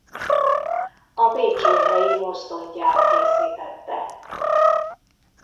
A Bécsújhelyi Mozdonygyár készítette.